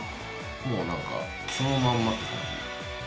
もう何かそのまんまって感じ